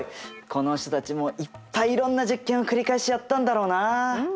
この人たちもいっぱいいろんな実験を繰り返しやったんだろうな。